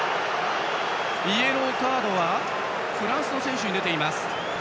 イエローカードはフランスの選手に出ています。